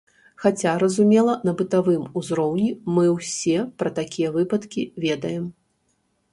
Хаця, разумела, на бытавым узроўні мы ўсе пра такія выпадкі ведаем.